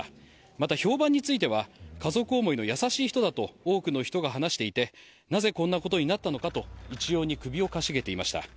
また、評判については家族思いの優しい人だと多くの人が話していてなぜこんなことになったのかと一様に首をかしげていました。